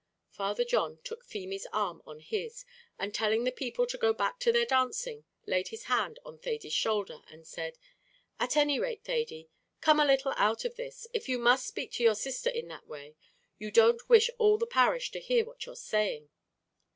Father John took Feemy's arm on his, and telling the people to go back to their dancing, laid his hand on Thady's shoulder, and said, "At any rate, Thady, come a little out of this; if you must speak to your sister in that way, you don't wish all the parish to hear what you're saying."